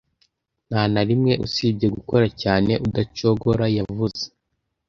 Ntanarimwe, usibye gukora cyane udacogora, yavuze